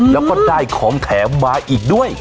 แล้วก็ได้ของแถมมาอีกด้วย